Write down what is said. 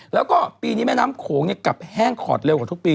แล้วก็ปีนี้แม่น้ำโขงกลับแห้งขอดเร็วกว่าทุกปี